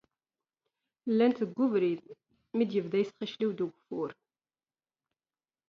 Llant deg ubrid mi d-tebda tesxicliw-d legerra.